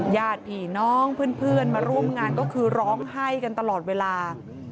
ญาติผีน้องเพื่อนมาร่วมงานก็คือร้องไห้กันตลอดเวลา